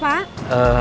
pak raymondnya ada mbak